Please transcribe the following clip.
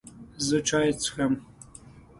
زه چای څښم